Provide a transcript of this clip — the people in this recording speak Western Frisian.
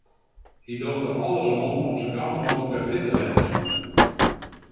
Hy docht der alles oan om sa gau mooglik wer fit te wêzen.